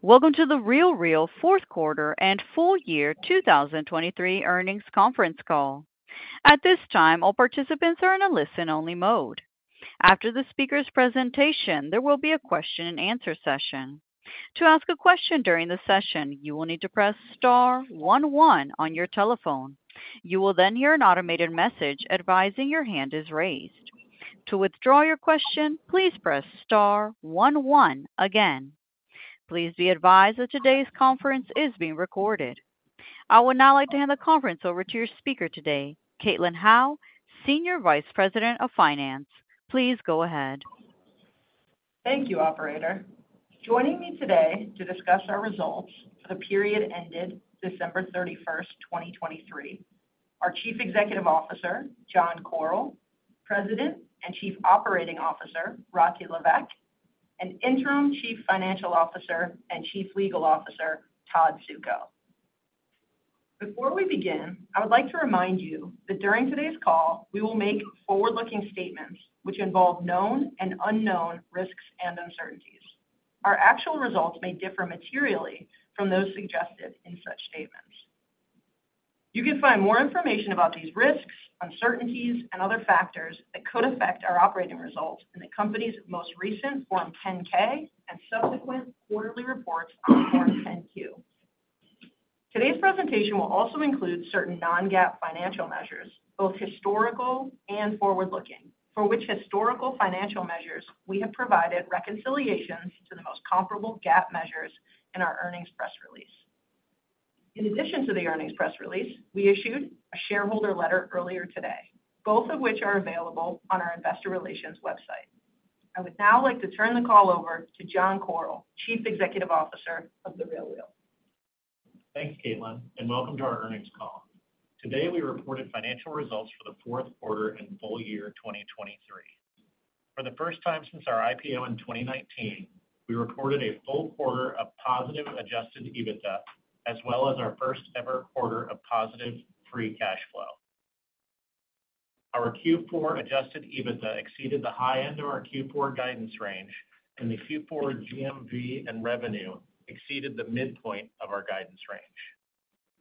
Welcome to The RealReal Q4 and full year 2023 earnings conference call. At this time, all participants are in a listen-only mode. After the speaker's presentation, there will be a question-and-answer session. To ask a question during the session, you will need to press star one one on your telephone. You will then hear an automated message advising your hand is raised. To withdraw your question, please press star one one again. Please be advised that today's conference is being recorded. I would now like to hand the conference over to your speaker today, Caitlin Howe, Senior Vice President of Finance. Please go ahead Thank you, Operator. Joining me today to discuss our results for the period ended December 31, 2023: our Chief Executive Officer, John Koryl, President and Chief Operating Officer, Rati Sahi Levesque, and Interim Chief Financial Officer and Chief Legal Officer, Todd Suko. Before we begin, I would like to remind you that during today's call we will make forward-looking statements which involve known and unknown risks and uncertainties. Our actual results may differ materially from those suggested in such statements. You can find more information about these risks, uncertainties, and other factors that could affect our operating results in the company's most recent Form 10-K and subsequent quarterly reports on Form 10-Q. Today's presentation will also include certain non-GAAP financial measures, both historical and forward-looking, for which historical financial measures we have provided reconciliations to the most comparable GAAP measures in our earnings press release. In addition to the earnings press release, we issued a shareholder letter earlier today, both of which are available on our investor relations website. I would now like to turn the call over to John Koryl, Chief Executive Officer of The RealReal. Thanks, Caitlin, and welcome to our earnings call. Today we reported financial results for the Q4 and full year 2023. For the first time since our IPO in 2019, we reported a full quarter of positive Adjusted EBITDA as well as our first-ever quarter of positive Free Cash Flow. Our Q4 Adjusted EBITDA exceeded the high end of our Q4 guidance range, and the Q4 GMV and revenue exceeded the midpoint of our guidance range.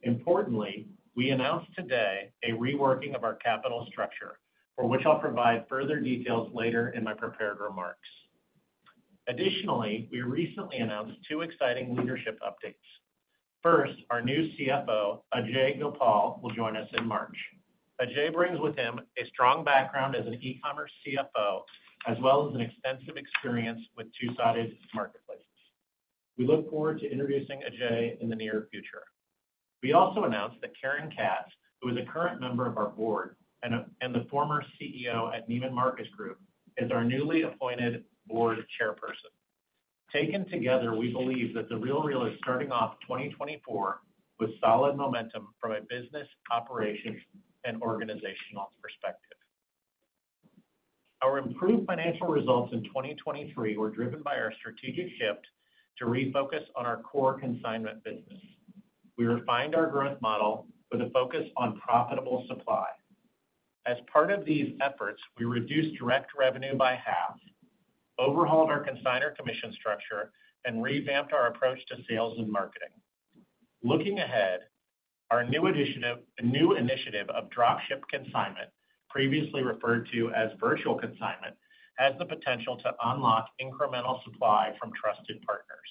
Importantly, we announced today a reworking of our capital structure, for which I'll provide further details later in my prepared remarks. Additionally, we recently announced two exciting leadership updates. First, our new CFO, Ajay Gopal, will join us in March. Ajay brings with him a strong background as an e-commerce CFO as well as an extensive experience with two-sided marketplaces. We look forward to introducing Ajay in the near future. We also announced that Karen Katz, who is a current member of our board and the former CEO at Neiman Marcus Group, is our newly appointed board chairperson. Taken together, we believe that The RealReal is starting off 2024 with solid momentum from a business, operations, and organizational perspective. Our improved financial results in 2023 were driven by our strategic shift to refocus on our core consignment business. We refined our growth model with a focus on profitable supply. As part of these efforts, we reduced direct revenue by half, overhauled our consignor commission structure, and revamped our approach to sales and marketing. Looking ahead, our new initiative of Dropship Consignment, previously referred to as Virtual Consignment, has the potential to unlock incremental supply from trusted partners.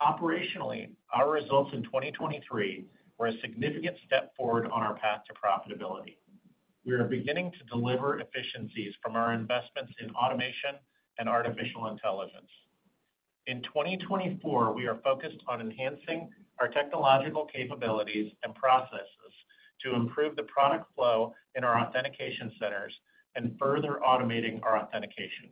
Operationally, our results in 2023 were a significant step forward on our path to profitability. We are beginning to deliver efficiencies from our investments in automation and artificial intelligence. In 2024, we are focused on enhancing our technological capabilities and processes to improve the product flow in our authentication centers and further automating our authentication.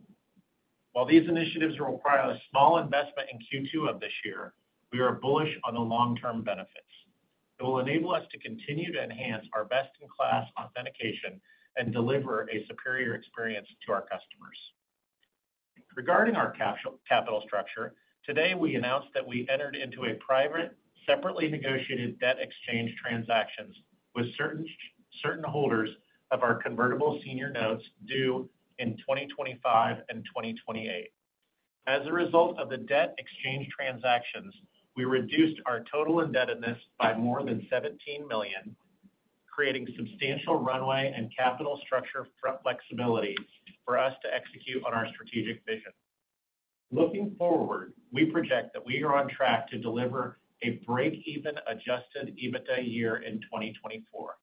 While these initiatives require a small investment in Q2 of this year, we are bullish on the long-term benefits. It will enable us to continue to enhance our best-in-class authentication and deliver a superior experience to our customers. Regarding our capital structure, today we announced that we entered into a private, separately negotiated debt exchange transactions with certain holders of our Convertible Senior Notes due in 2025 and 2028. As a result of the debt exchange transactions, we reduced our total indebtedness by more than $17 million, creating substantial runway and capital structure flexibility for us to execute on our strategic vision. Looking forward, we project that we are on track to deliver a break-even Adjusted EBITDA year in 2024.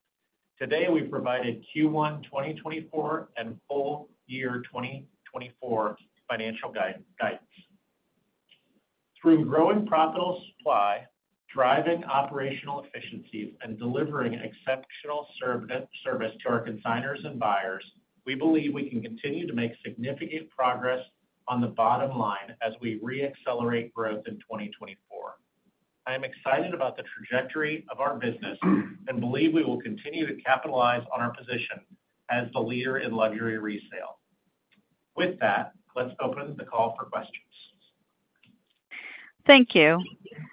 Today we provided Q1 2024 and full year 2024 financial guidance. Through growing profitable supply, driving operational efficiencies, and delivering exceptional service to our consignors and buyers, we believe we can continue to make significant progress on the bottom line as we reaccelerate growth in 2024. I am excited about the trajectory of our business and believe we will continue to capitalize on our position as the leader in luxury resale. With that, let's open the call for questions. Thank you.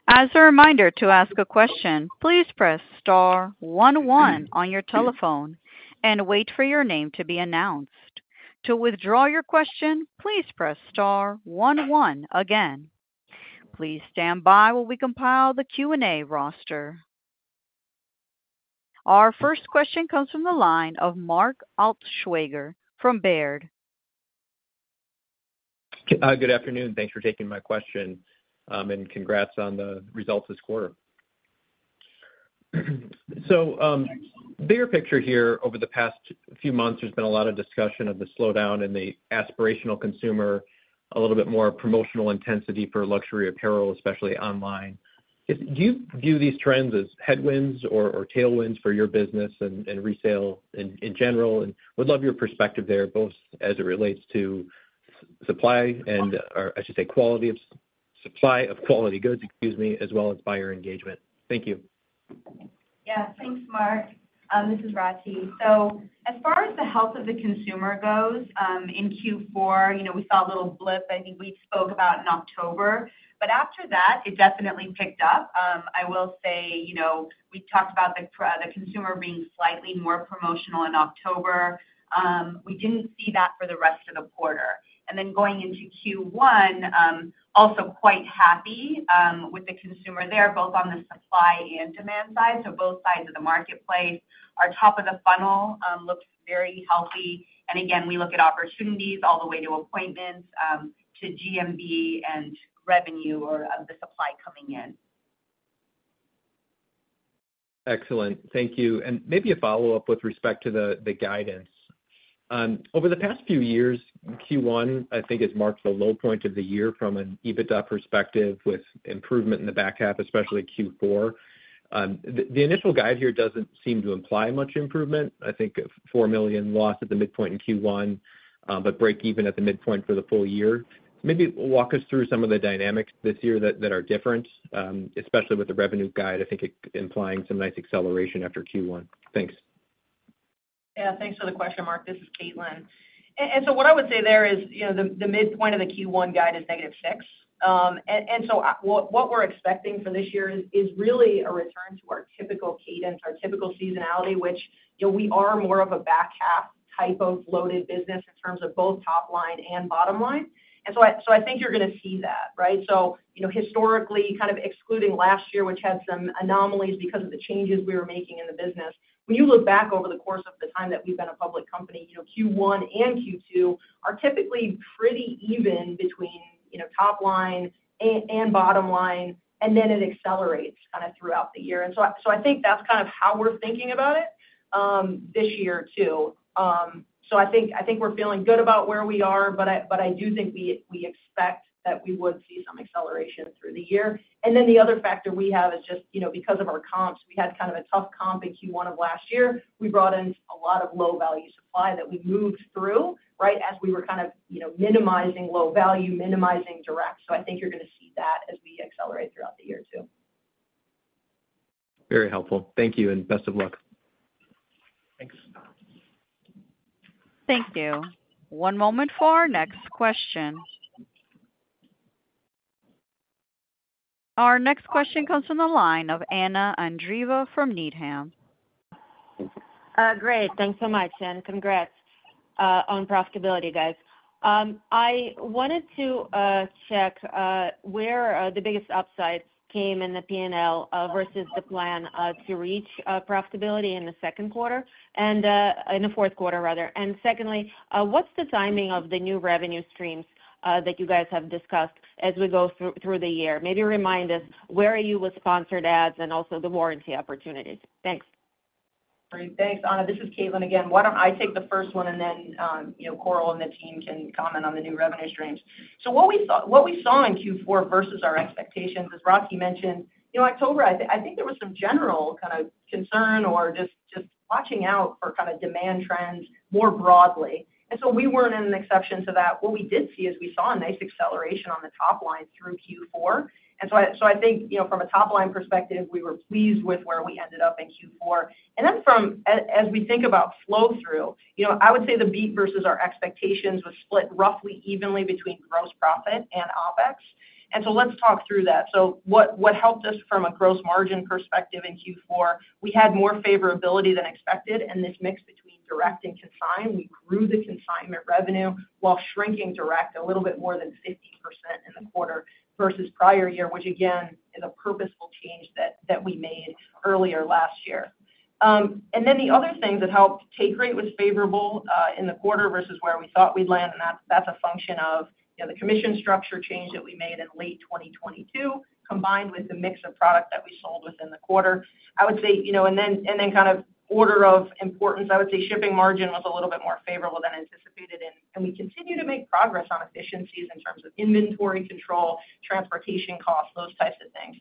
As a reminder to ask a question, please press star one one on your telephone and wait for your name to be announced. To withdraw your question, please press star one one again. Please stand by while we compile the Q&A roster. Our first question comes from the line of Mark Altschwager from Baird. Good afternoon. Thanks for taking my question, and congrats on the results this quarter. So bigger picture here, over the past few months, there's been a lot of discussion of the slowdown in the aspirational consumer, a little bit more promotional intensity for luxury apparel, especially online. Do you view these trends as headwinds or tailwinds for your business and resale in general? And would love your perspective there, both as it relates to supply and, I should say, quality of supply of quality goods, excuse me, as well as buyer engagement. Thank you. Yeah, thanks, Mark. This is Rati. So as far as the health of the consumer goes, in Q4, we saw a little blip. I think we spoke about in October, but after that, it definitely picked up. I will say we talked about the consumer being slightly more promotional in October. We didn't see that for the rest of the quarter. And then going into Q1, also quite happy with the consumer there, both on the supply and demand side. So both sides of the marketplace, our top of the funnel looks very healthy. And again, we look at opportunities all the way to appointments to GMV and revenue or of the supply coming in. Excellent. Thank you. Maybe a follow-up with respect to the guidance. Over the past few years, Q1, I think, has marked the low point of the year from an EBITDA perspective with improvement in the back half, especially Q4. The initial guide here doesn't seem to imply much improvement. I think $4 million loss at the midpoint in Q1, but break-even at the midpoint for the full year. Maybe walk us through some of the dynamics this year that are different, especially with the revenue guide, I think implying some nice acceleration after Q1. Thanks. Yeah, thanks for the question, Mark. This is Caitlin. And so what I would say there is the midpoint of the Q1 guide is -6. And so what we're expecting for this year is really a return to our typical cadence, our typical seasonality, which we are more of a back half type of loaded business in terms of both top line and bottom line. And so I think you're going to see that, right? So historically, kind of excluding last year, which had some anomalies because of the changes we were making in the business, when you look back over the course of the time that we've been a public company, Q1 and Q2 are typically pretty even between top line and bottom line, and then it accelerates kind of throughout the year. And so I think that's kind of how we're thinking about it this year too. I think we're feeling good about where we are, but I do think we expect that we would see some acceleration through the year. Then the other factor we have is just because of our comps, we had kind of a tough comp in Q1 of last year. We brought in a lot of low-value supply that we moved through, right, as we were kind of minimizing low value, minimizing direct. So I think you're going to see that as we accelerate throughout the year too. Very helpful. Thank you and best of luck. Thanks. Thank you. One moment for our next question. Our next question comes from the line of Anna Andreeva from Needham. Great. Thanks so much and congrats on profitability, guys. I wanted to check where the biggest upside came in the P&L versus the plan to reach profitability in the Q2 and in the Q4, rather. And secondly, what's the timing of the new revenue streams that you guys have discussed as we go through the year? Maybe remind us where are you with sponsored ads and also the warranty opportunities. Thanks. Great. Thanks, Anna. This is Caitlin again. Why don't I take the first one, and then Koryl and the team can comment on the new revenue streams? So what we saw in Q4 versus our expectations, as Rati mentioned, October, I think there was some general kind of concern or just watching out for kind of demand trends more broadly. And so we weren't an exception to that. What we did see is we saw a nice acceleration on the top line through Q4. And so I think from a top line perspective, we were pleased with where we ended up in Q4. And then as we think about flow-through, I would say the beat versus our expectations was split roughly evenly between gross profit and OpEx. And so let's talk through that. So what helped us from a gross margin perspective in Q4, we had more favorability than expected, and this mix between direct and consignment. We grew the consignment revenue while shrinking direct a little bit more than 50% in the quarter versus prior year, which again is a purposeful change that we made earlier last year. And then the other things that helped take rate was favorable in the quarter versus where we thought we'd land, and that's a function of the commission structure change that we made in late 2022 combined with the mix of product that we sold within the quarter. I would say and then kind of order of importance, I would say shipping margin was a little bit more favorable than anticipated, and we continue to make progress on efficiencies in terms of inventory control, transportation costs, those types of things.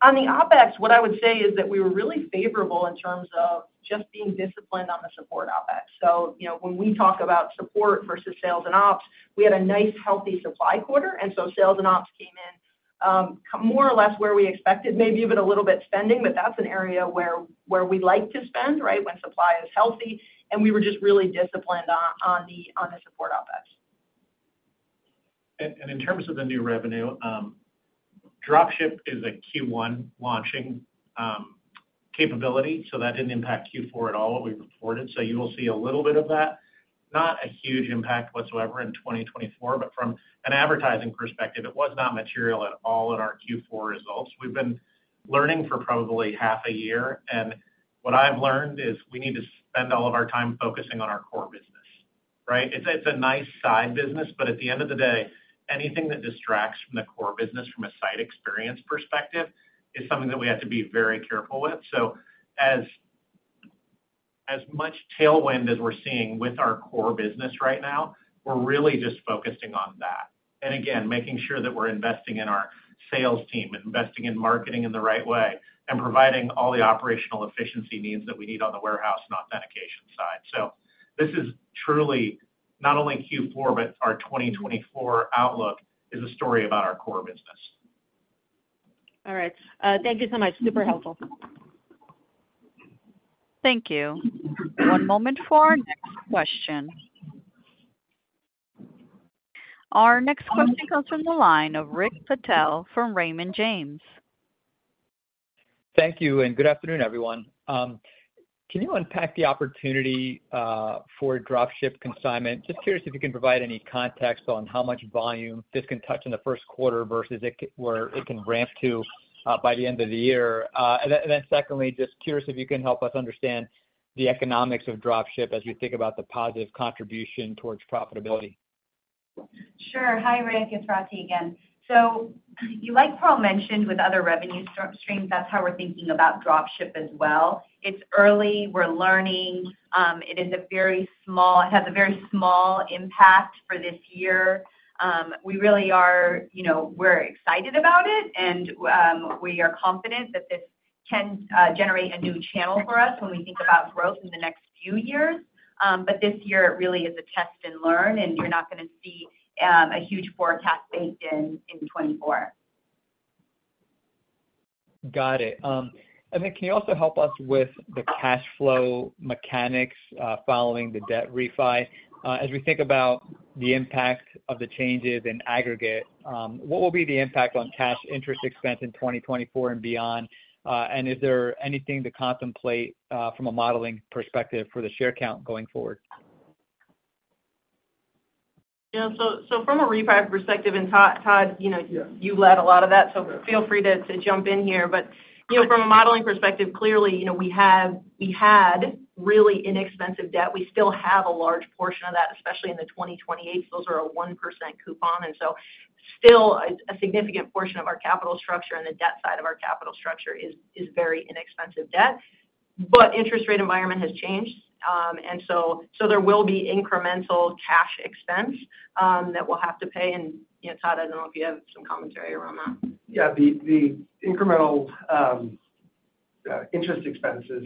On the OpEx, what I would say is that we were really favorable in terms of just being disciplined on the support OpEx. So when we talk about support versus sales and ops, we had a nice, healthy supply quarter, and so sales and ops came in more or less where we expected, maybe even a little bit spending, but that's an area where we like to spend, right, when supply is healthy, and we were just really disciplined on the support OpEx. In terms of the new revenue, Dropship is a Q1 launching capability, so that didn't impact Q4 at all, what we reported. You will see a little bit of that. Not a huge impact whatsoever in 2024, but from an advertising perspective, it was not material at all in our Q4 results. We've been learning for probably half a year, and what I've learned is we need to spend all of our time focusing on our core business, right? It's a nice side business, but at the end of the day, anything that distracts from the core business from a site experience perspective is something that we have to be very careful with. As much tailwind as we're seeing with our core business right now, we're really just focusing on that. Again, making sure that we're investing in our sales team, investing in marketing in the right way, and providing all the operational efficiency needs that we need on the warehouse and authentication side. This is truly not only Q4, but our 2024 outlook is a story about our core business. All right. Thank you so much. Super helpful. Thank you. One moment for our next question. Our next question comes from the line of Rick Patel from Raymond James. Thank you and good afternoon, everyone. Can you unpack the opportunity for Dropship Consignment? Just curious if you can provide any context on how much volume this can touch in the first quarter versus where it can ramp to by the end of the year. Then secondly, just curious if you can help us understand the economics of dropship as you think about the positive contribution towards profitability. Sure. Hi, Rick. It's Rati again. So like Paul mentioned with other revenue streams, that's how we're thinking about dropship as well. It's early. We're learning. It has a very small impact for this year. We really are excited about it, and we are confident that this can generate a new channel for us when we think about growth in the next few years. But this year really is a test and learn, and you're not going to see a huge forecast baked in in 2024. Got it. And then can you also help us with the cash flow mechanics following the debt refi? As we think about the impact of the changes in aggregate, what will be the impact on cash interest expense in 2024 and beyond? And is there anything to contemplate from a modeling perspective for the share count going forward? Yeah. So from a refi perspective, and Todd, you've led a lot of that, so feel free to jump in here. But from a modeling perspective, clearly, we had really inexpensive debt. We still have a large portion of that, especially in the 2028s. Those are a 1% coupon. And so still, a significant portion of our capital structure and the debt side of our capital structure is very inexpensive debt. But interest rate environment has changed, and so there will be incremental cash expense that we'll have to pay. And Todd, I don't know if you have some commentary around that. Yeah. The incremental interest expense is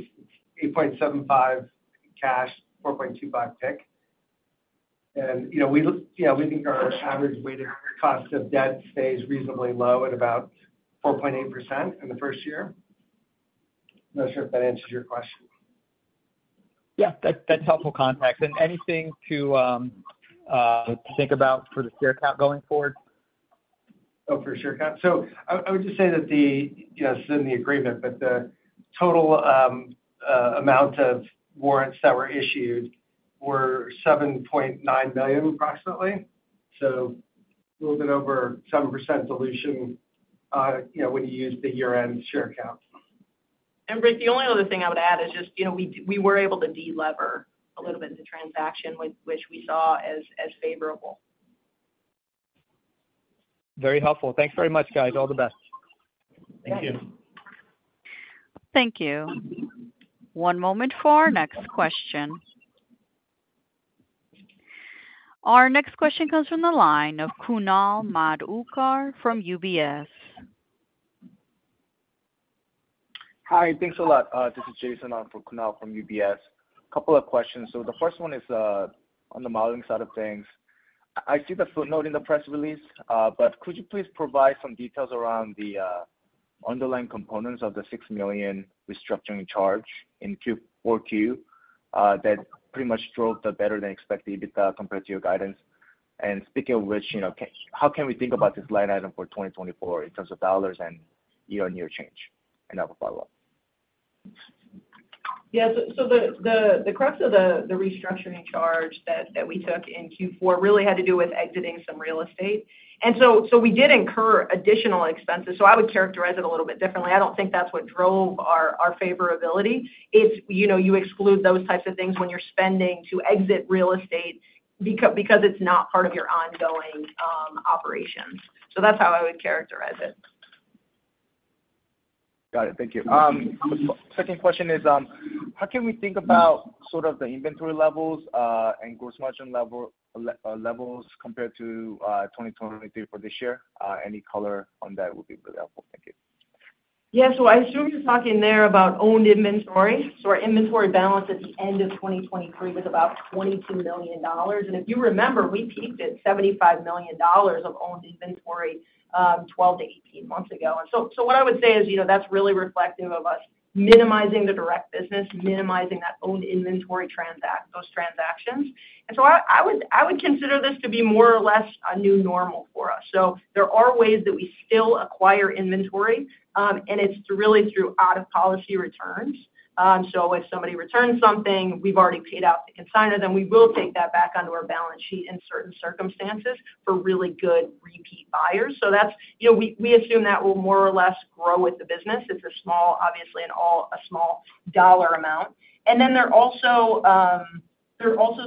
8.75 cash, 4.25 PIK. And we think our average weighted cost of debt stays reasonably low at about 4.8% in the first year. Not sure if that answers your question. Yeah. That's helpful context. Anything to think about for the share count going forward? Oh, for the share count? So I would just say that it's in the agreement, but the total amount of warrants that were issued were 7.9 million approximately, so a little bit over 7% dilution when you use the year-end share count. Rick, the only other thing I would add is just we were able to de-lever a little bit in the transaction, which we saw as favorable. Very helpful. Thanks very much, guys. All the best. Thank you. Thank you. One moment for our next question. Our next question comes from the line of Kunal Madhukar from UBS. Hi. Thanks a lot. This is Jason for Kunal from UBS. Couple of questions. So the first one is on the modeling side of things. I see the footnote in the press release, but could you please provide some details around the underlying components of the $6 million restructuring charge in Q4 that pretty much drove the better-than-expected EBITDA compared to your guidance? And speaking of which, how can we think about this line item for 2024 in terms of dollars and year-on-year change? And I have a follow-up. Yeah. So the crux of the restructuring charge that we took in Q4 really had to do with exiting some real estate. And so we did incur additional expenses. So I would characterize it a little bit differently. I don't think that's what drove our favorability. It's you exclude those types of things when you're spending to exit real estate because it's not part of your ongoing operations. So that's how I would characterize it. Got it. Thank you. Second question is, how can we think about sort of the inventory levels and gross margin levels compared to 2023 for this year? Any color on that would be really helpful. Thank you. Yeah. So I assume you're talking there about owned inventory. So our inventory balance at the end of 2023 was about $22 million. And if you remember, we peaked at $75 million of owned inventory 12-18 months ago. And so what I would say is that's really reflective of us minimizing the direct business, minimizing that owned inventory transaction, those transactions. And so I would consider this to be more or less a new normal for us. So there are ways that we still acquire inventory, and it's really through out-of-policy returns. So if somebody returns something, we've already paid out to consignor, then we will take that back onto our balance sheet in certain circumstances for really good repeat buyers. So we assume that will more or less grow with the business. It's obviously an overall small dollar amount. And then there are also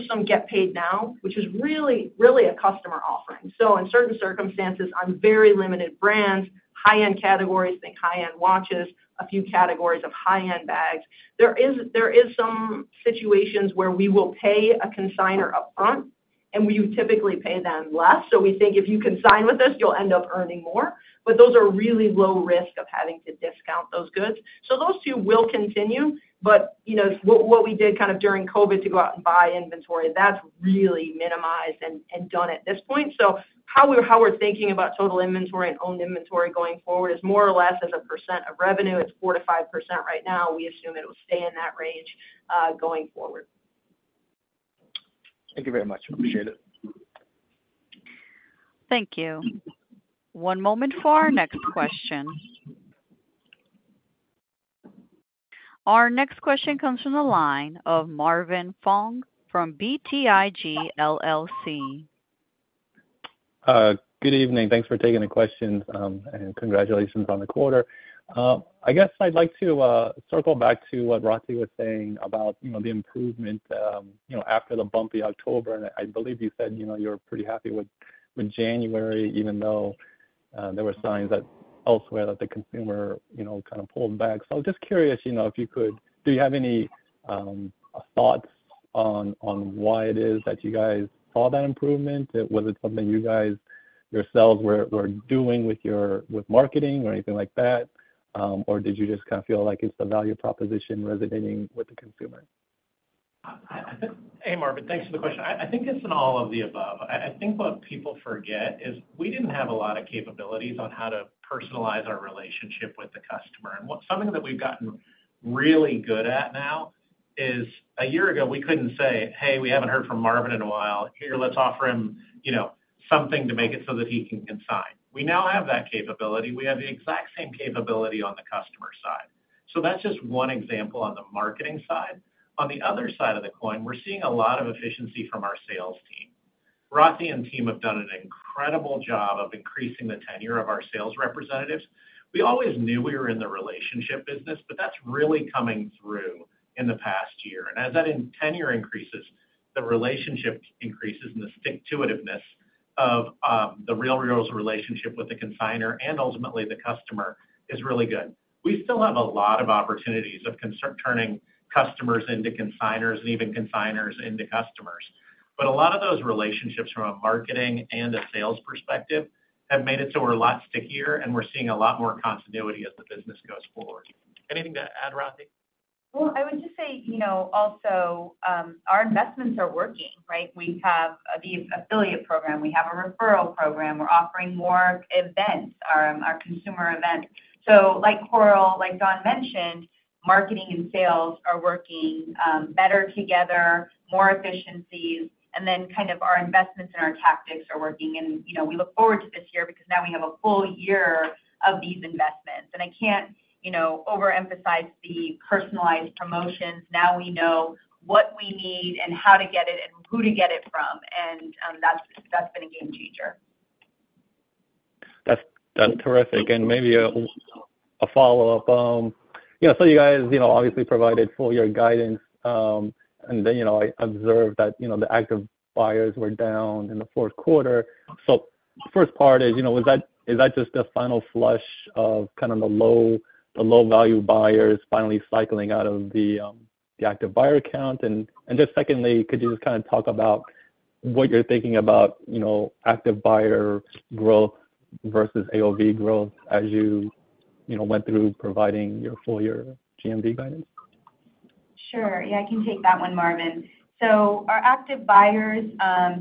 some Get Paid Now, which is really a customer offering. So in certain circumstances, on very limited brands, high-end categories, think high-end watches, a few categories of high-end bags, there is some situations where we will pay a consignor upfront, and we typically pay them less. So we think if you consign with us, you'll end up earning more. But those are really low risk of having to discount those goods. So those two will continue. But what we did kind of during COVID to go out and buy inventory, that's really minimized and done at this point. So how we're thinking about total inventory and owned inventory going forward is more or less as a percent of revenue. It's 4%-5% right now. We assume it will stay in that range going forward. Thank you very much. Appreciate it. Thank you. One moment for our next question. Our next question comes from the line of Marvin Fong from BTIG LLC. Good evening. Thanks for taking the questions, and congratulations on the quarter. I guess I'd like to circle back to what Rati was saying about the improvement after the bumpy October. I believe you said you were pretty happy with January, even though there were signs elsewhere that the consumer kind of pulled back. I'm just curious if you could, do you have any thoughts on why it is that you guys saw that improvement? Was it something you guys yourselves were doing with marketing or anything like that, or did you just kind of feel like it's the value proposition resonating with the consumer? Hey, Marvin. Thanks for the question. I think it's in all of the above. I think what people forget is we didn't have a lot of capabilities on how to personalize our relationship with the customer. And something that we've gotten really good at now is a year ago, we couldn't say, "Hey, we haven't heard from Marvin in a while. Here, let's offer him something to make it so that he can consign." We now have that capability. We have the exact same capability on the customer side. So that's just one example on the marketing side. On the other side of the coin, we're seeing a lot of efficiency from our sales team. Rati and team have done an incredible job of increasing the tenure of our sales representatives. We always knew we were in the relationship business, but that's really coming through in the past year. As that tenure increases, the relationship increases and the stick-to-itiveness of The RealReal's relationship with the consignor and ultimately the customer is really good. We still have a lot of opportunities of turning customers into consignors and even consignors into customers. But a lot of those relationships from a marketing and a sales perspective have made it so we're a lot stickier, and we're seeing a lot more continuity as the business goes forward. Anything to add, Rati? Well, I would just say also our investments are working, right? We have the affiliate program. We have a referral program. We're offering more events, our consumer events. So like Koryl mentioned, marketing and sales are working better together, more efficiencies, and then kind of our investments and our tactics are working. And we look forward to this year because now we have a full year of these investments. And I can't overemphasize the personalized promotions. Now we know what we need and how to get it and who to get it from. And that's been a game-changer. That's terrific. And maybe a follow-up. So you guys obviously provided full-year guidance, and then I observed that the active buyers were down in the fourth quarter. So first part is, is that just the final flush of kind of the low-value buyers finally cycling out of the active buyer account? And just secondly, could you just kind of talk about what you're thinking about active buyer growth versus AOV growth as you went through providing your full-year GMV guidance? Sure. Yeah. I can take that one, Marvin. So our active buyers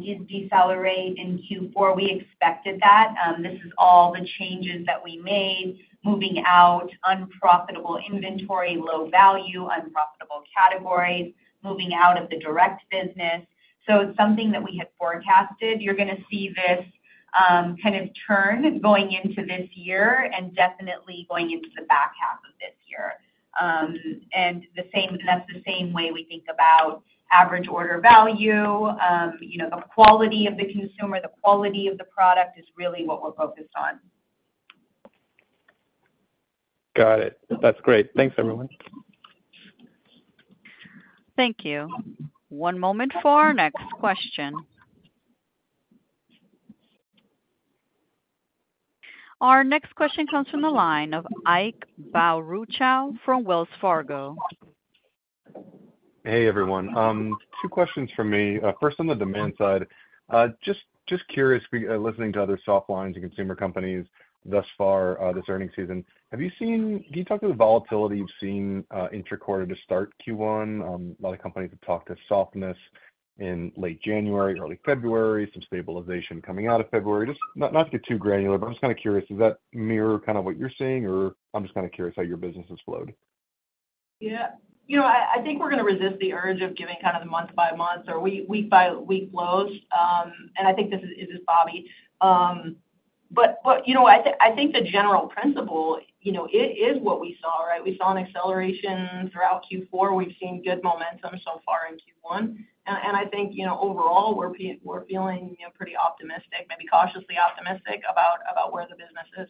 did decelerate in Q4. We expected that. This is all the changes that we made: moving out unprofitable inventory, low value, unprofitable categories, moving out of the direct business. So it's something that we had forecasted. You're going to see this kind of turn going into this year and definitely going into the back half of this year. And that's the same way we think about average order value. The quality of the consumer, the quality of the product is really what we're focused on. Got it. That's great. Thanks, everyone. Thank you. One moment for our next question. Our next question comes from the line of Ike Boruchow from Wells Fargo. Hey, everyone. Two questions from me. First, on the demand side, just curious, listening to other soft lines and consumer companies thus far this earnings season, have you seen, can you talk to the volatility you've seen intra-quarter to start Q1? A lot of companies have talked to softness in late January, early February, some stabilization coming out of February. Not to get too granular, but I'm just kind of curious, does that mirror kind of what you're seeing, or I'm just kind of curious how your business has flowed? Yeah. I think we're going to resist the urge of giving kind of the month-by-month or week-by-week flows. And I think this is broadly. But I think the general principle is what we saw, right? We saw an acceleration throughout Q4. We've seen good momentum so far in Q1. And I think overall, we're feeling pretty optimistic, maybe cautiously optimistic about where the business is.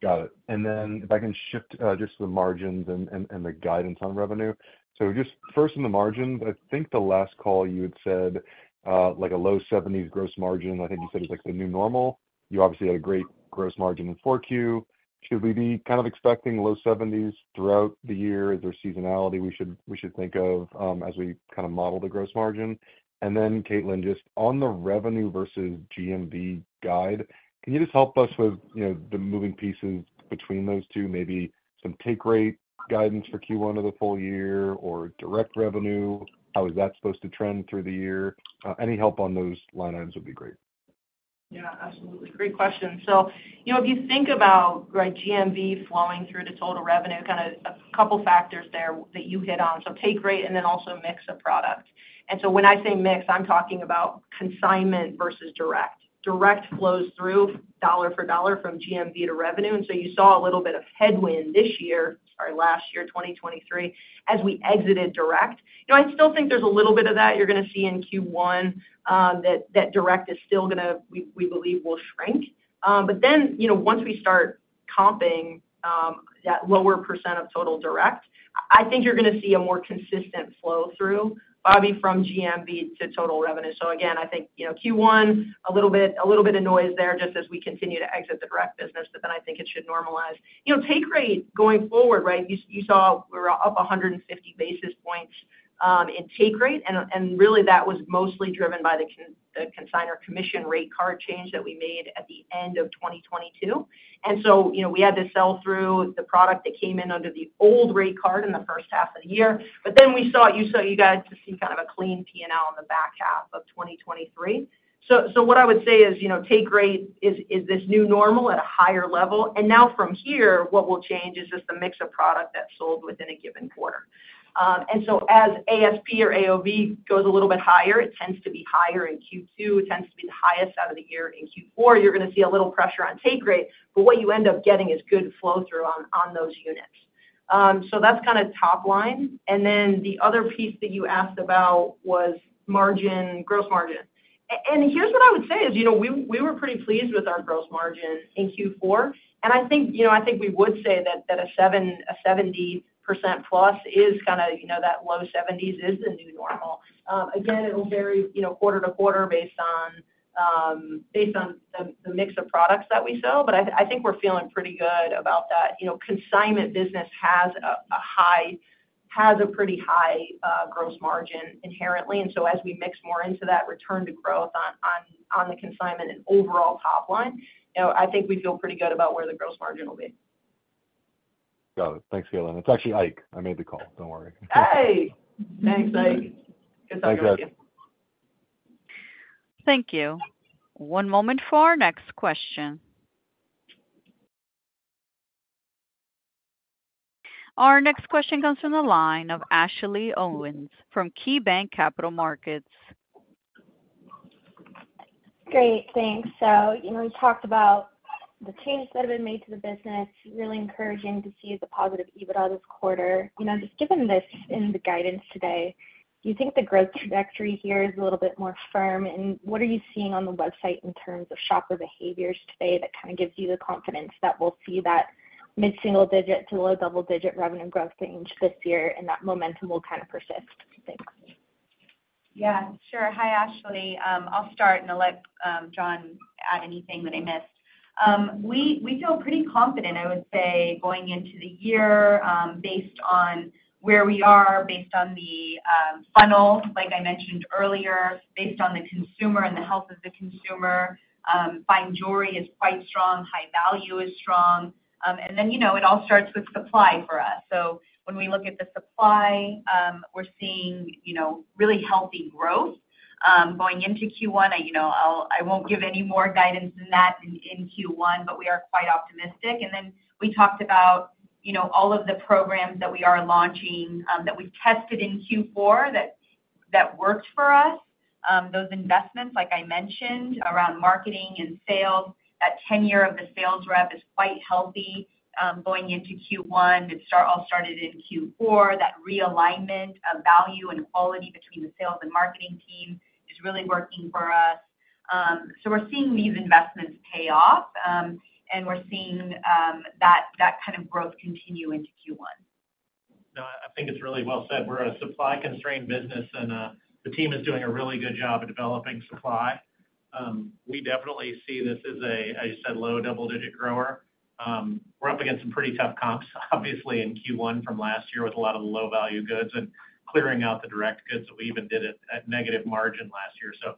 Got it. And then if I can shift just to the margins and the guidance on revenue. So just first in the margins, I think the last call you had said a low 70s gross margin, I think you said it was the new normal. You obviously had a great gross margin in 4Q. Should we be kind of expecting low 70s throughout the year? Is there seasonality we should think of as we kind of model the gross margin? And then, Caitlin, just on the revenue versus GMV guide, can you just help us with the moving pieces between those two, maybe some take-rate guidance for Q1 of the full year or direct revenue? How is that supposed to trend through the year? Any help on those line items would be great. Yeah. Absolutely. Great question. So if you think about GMV flowing through to total revenue, kind of a couple of factors there that you hit on. So take rate and then also mix of products. And so when I say mix, I'm talking about consignment versus direct. Direct flows through dollar for dollar from GMV to revenue. And so you saw a little bit of headwind this year, sorry, last year, 2023, as we exited direct. I still think there's a little bit of that you're going to see in Q1 that direct is still going to, we believe, will shrink. But then once we start comping that lower percent of total direct, I think you're going to see a more consistent flow-through, Bobby, from GMV to total revenue. So again, I think Q1, a little bit of noise there just as we continue to exit the direct business, but then I think it should normalize. Take-rate going forward, right? You saw we were up 150 basis points in take-rate. And really, that was mostly driven by the consignor commission rate card change that we made at the end of 2022. And so we had this sell-through. The product, it came in under the old rate card in the H1 of the year. But then we saw it, you got to see kind of a clean P&L in the back half of 2023. So what I would say is take-rate is this new normal at a higher level. And now from here, what will change is just the mix of product that sold within a given quarter. As ASP or AOV goes a little bit higher, it tends to be higher in Q2. It tends to be the highest out of the year in Q4. You're going to see a little pressure on take-rate, but what you end up getting is good flow-through on those units. So that's kind of top line. And then the other piece that you asked about was gross margin. And here's what I would say is we were pretty pleased with our gross margin in Q4. And I think we would say that a 70%+ is kind of that low 70s% is the new normal. Again, it'll vary quarter to quarter based on the mix of products that we sell. But I think we're feeling pretty good about that. Consignment business has a pretty high gross margin inherently. And so as we mix more into that return to growth on the consignment and overall top line, I think we feel pretty good about where the gross margin will be. Got it. Thanks, Caitlin. It's actually Ike. I made the call. Don't worry. Hey. Thanks, Ike. Good talking with you. Thank you. One moment for our next question. Our next question comes from the line of Ashley Owens from KeyBanc Capital Markets. Great. Thanks. So we talked about the changes that have been made to the business, really encouraging to see the positive EBITDA this quarter. Just given this in the guidance today, do you think the growth trajectory here is a little bit more firm? And what are you seeing on the website in terms of shopper behaviors today that kind of gives you the confidence that we'll see that mid-single digit to low double-digit revenue growth range this year and that momentum will kind of persist? Thanks. Yeah. Sure. Hi, Ashley. I'll start, and I'll let John add anything that I missed. We feel pretty confident, I would say, going into the year based on where we are, based on the funnel, like I mentioned earlier, based on the consumer and the health of the consumer. Buying jewelry is quite strong. High value is strong. And then it all starts with supply for us. So when we look at the supply, we're seeing really healthy growth going into Q1. I won't give any more guidance than that in Q1, but we are quite optimistic. And then we talked about all of the programs that we are launching that we've tested in Q4 that worked for us, those investments, like I mentioned, around marketing and sales. That tenure of the sales rep is quite healthy going into Q1. It all started in Q4. That realignment of value and quality between the sales and marketing team is really working for us. We're seeing these investments pay off, and we're seeing that kind of growth continue into Q1. No, I think it's really well said. We're a supply-constrained business, and the team is doing a really good job of developing supply. We definitely see this as a, as you said, low double-digit grower. We're up against some pretty tough comps, obviously, in Q1 from last year with a lot of the low-value goods and clearing out the direct goods that we even did at negative margin last year. So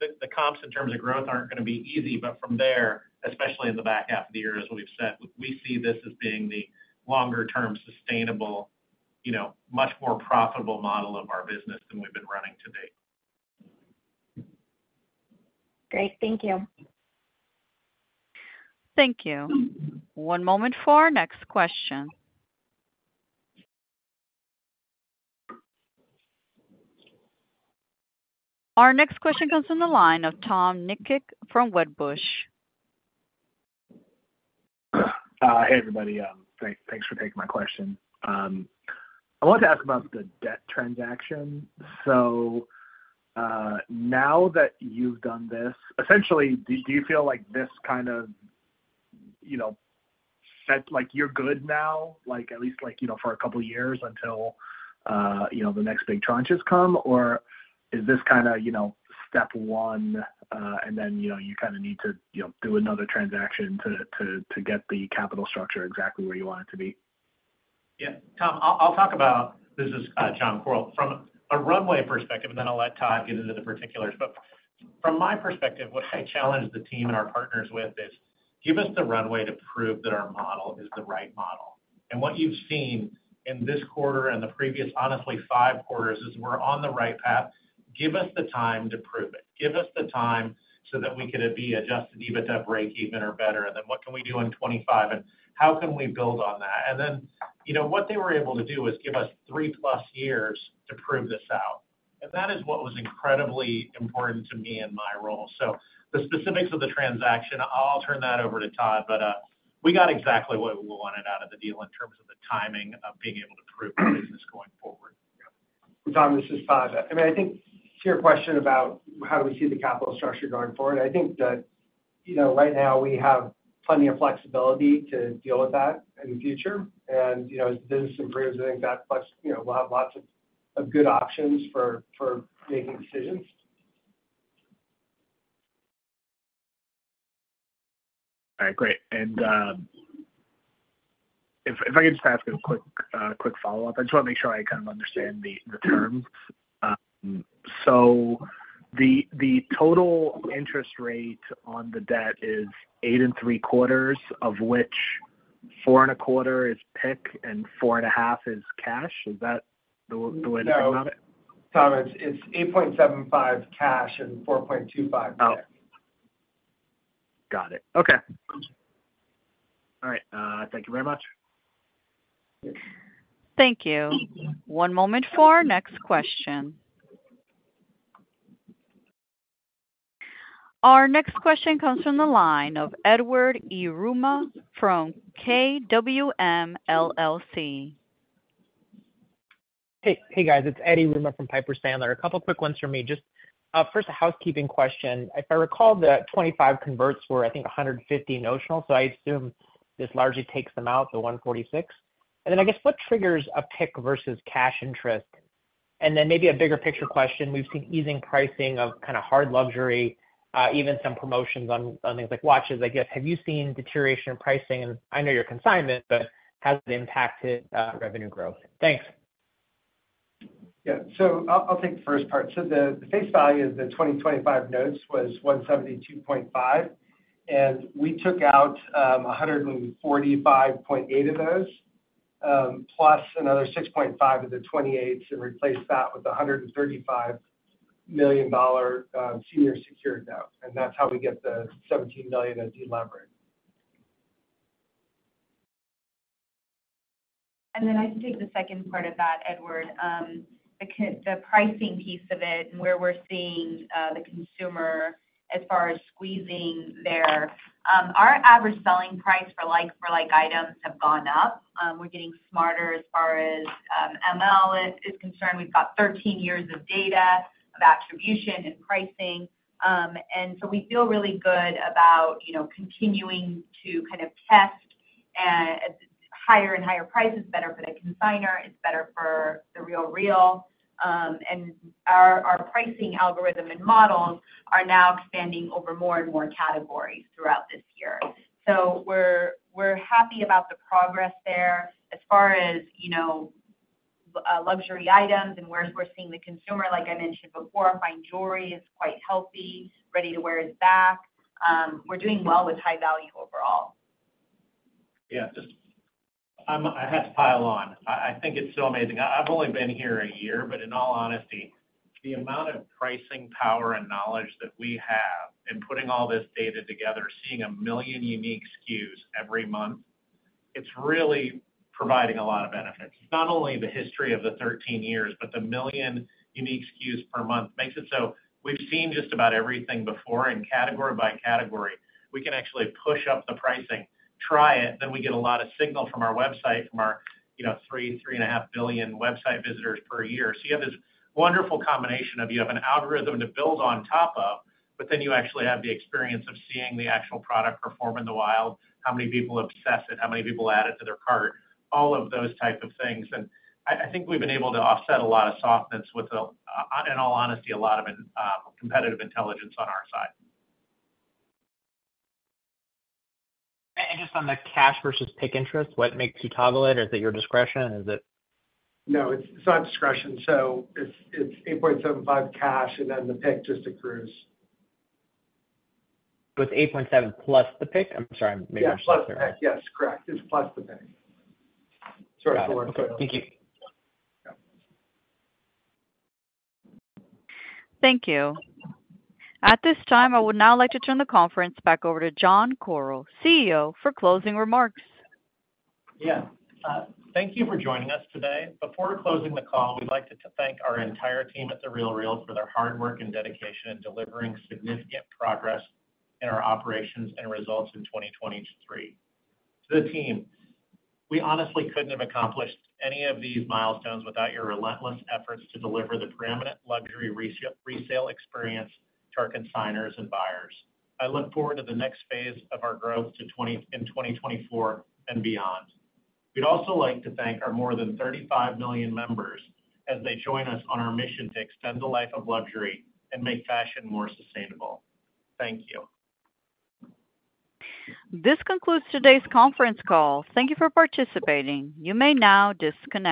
the comps in terms of growth aren't going to be easy. But from there, especially in the back half of the year, as we've said, we see this as being the longer-term, sustainable, much more profitable model of our business than we've been running to date. Great. Thank you. Thank you. One moment for our next question. Our next question comes from the line of Tom Nikic from Wedbush. Hey, everybody. Thanks for taking my question. I wanted to ask about the debt transaction. So now that you've done this, essentially, do you feel like this kind of set you're good now, at least for a couple of years until the next big tranches come, or is this kind of step one, and then you kind of need to do another transaction to get the capital structure exactly where you want it to be? Yeah. Tom, I'll talk about this is John Koryl from a runway perspective, and then I'll let Todd get into the particulars. But from my perspective, what I challenge the team and our partners with is, "Give us the runway to prove that our model is the right model." And what you've seen in this quarter and the previous, honestly, 5 quarters is we're on the right path. Give us the time to prove it. Give us the time so that we could be Adjusted EBITDA breakeven or better. And then what can we do in 2025, and how can we build on that? And then what they were able to do is give us 3+ years to prove this out. And that is what was incredibly important to me in my role. So the specifics of the transaction, I'll turn that over to Todd, but we got exactly what we wanted out of the deal in terms of the timing of being able to prove the business going forward. Yeah. Tom, this is Todd. I mean, I think to your question about how do we see the capital structure going forward, I think that right now, we have plenty of flexibility to deal with that in the future. And as the business improves, I think we'll have lots of good options for making decisions. All right. Great. And if I could just ask a quick follow-up, I just want to make sure I kind of understand the terms. So the total interest rate on the debt is 8.75%, of which 4.25% is PIK and 4.5% is cash. Is that the way to think about it? No, Tom, it's 8.75 cash and 4.25 debt. Got it. Okay. All right. Thank you very much. Thank you. One moment for our next question. Our next question comes from the line of Edward Yruma from Piper Sandler. Hey, guys. It's Eddie Ruma from Piper Sandler. A couple of quick ones from me. Just first, a housekeeping question. If I recall, the 2025 converts were, I think, $150 notional, so I assume this largely takes them out, the $146. And then I guess what triggers a PIK versus cash interest? And then maybe a bigger picture question. We've seen easing pricing of kind of hard luxury, even some promotions on things like watches, I guess. Have you seen deterioration in pricing? And I know you're consignment, but has it impacted revenue growth? Thanks. Yeah. So I'll take the first part. The face value of the 2025 notes was $172.5 million, and we took out $145.8 million of those plus another $6.5 million of the 28s and replaced that with a $135 million senior secured note. That's how we get the $17 million of deleverage. And then I can take the second part of that, Edward. The pricing piece of it and where we're seeing the consumer as far as squeezing there, our average selling price for like items have gone up. We're getting smarter as far as ML is concerned. We've got 13 years of data of authentication and pricing. And so we feel really good about continuing to kind of test. Higher and higher price is better for the consignor. It's better for The RealReal. And our pricing algorithm and models are now expanding over more and more categories throughout this year. So we're happy about the progress there as far as luxury items and where we're seeing the consumer. Like I mentioned before, buying jewelry is quite healthy, ready to wear is back. We're doing well with high value overall. Yeah. I have to pile on. I think it's so amazing. I've only been here a year, but in all honesty, the amount of pricing power and knowledge that we have and putting all this data together, seeing a million unique SKUs every month, it's really providing a lot of benefits. Not only the history of the 13 years, but a million unique SKUs per month makes it so we've seen just about everything before, and category by category, we can actually push up the pricing, try it. Then we get a lot of signal from our website, from our 3.5 billion website visitors per year. So you have this wonderful combination of you have an algorithm to build on top of, but then you actually have the experience of seeing the actual product perform in the wild, how many people obsess it, how many people add it to their cart, all of those type of things. I think we've been able to offset a lot of softness with, in all honesty, a lot of competitive intelligence on our side. Just on the cash versus PIK interest, what makes you toggle it? Is it your discretion? Is it? No. It's not discretion. So it's 8.75 cash, and then the PIK just accrues. It's $8.7 plus the PIK? I'm sorry. Maybe I'm just mistaken. Yeah. Plus the PIK. Yes. Correct. It's plus the PIK. Sort of the words that I was. Okay. Thank you. Thank you. At this time, I would now like to turn the conference back over to John Koryl, CEO, for closing remarks. Yeah. Thank you for joining us today. Before closing the call, we'd like to thank our entire team at The RealReal for their hard work and dedication in delivering significant progress in our operations and results in 2023. To the team, we honestly couldn't have accomplished any of these milestones without your relentless efforts to deliver the permanent luxury resale experience to our consignors and buyers. I look forward to the next phase of our growth in 2024 and beyond. We'd also like to thank our more than 35 million members as they join us on our mission to extend the life of luxury and make fashion more sustainable. Thank you. This concludes today's conference call. Thank you for participating. You may now disconnect.